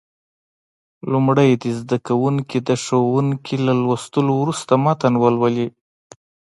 لومړی دې زده کوونکي د ښوونکي له لوستلو وروسته متن ولولي.